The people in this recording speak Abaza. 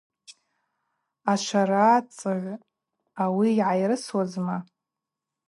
Ашварацыгӏв ауи гӏайыйрысуазма.